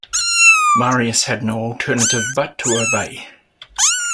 Marius had no alternative but to obey.